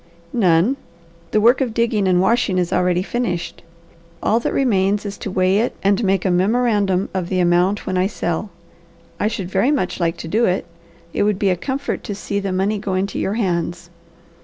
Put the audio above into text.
"None. The work of digging and washing is already finished. All that remains is to weigh it and make a memorandum of the amount when I sell. I should very much like to do it. It would be a comfort to see the money go into your hands.